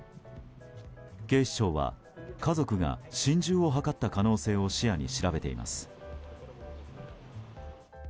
警視庁は、家族が心中を図った可能性を視野に調べています。